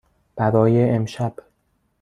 برای امشب.